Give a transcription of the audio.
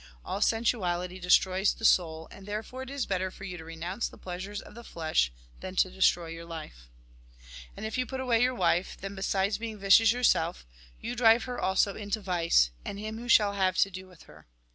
All sensuality destroys the soul, and therefore it is better for you to renounce the pleasure of the flesh than to destroy your life. And if you put away your wife, then, besides being vicious yourself, you drive her also into vice, and him who shall have to do with her.